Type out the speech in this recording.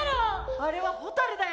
あれはホタルだよ。